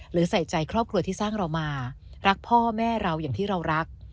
ใส่ใจครอบครัวที่สร้างเรามารักพ่อแม่เราอย่างที่เรารัก